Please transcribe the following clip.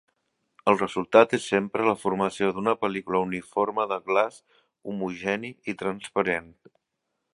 El resultat és sempre la formació d'una pel·lícula uniforme de glaç homogeni i transparent.